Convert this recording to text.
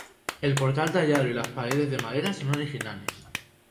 El portal tallado y las paredes de madera son originales.